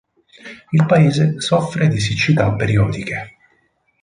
Il paese soffre di siccità periodiche.